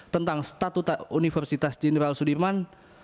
tentang statuta universitas jenderal sudirman